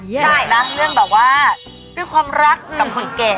ใช่นะเรื่องแบบว่าด้วยความรักกับคนแก่